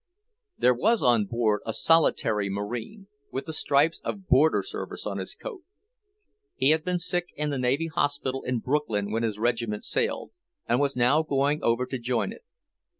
There was on board a solitary Marine, with the stripes of Border service on his coat. He had been sick in the Navy Hospital in Brooklyn when his regiment sailed, and was now going over to join it.